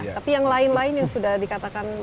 tapi yang lain lain yang sudah dikatakan